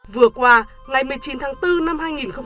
vừa qua ngày một mươi chín tháng bốn năm hai nghìn hai mươi